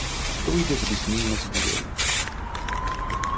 Awi-d adlis-nni azegzaw.